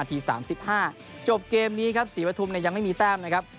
อาทีสามสิบห้าจบเกมนี้ครับศรีปฐุมในยังไม่มีแต้มนะครับ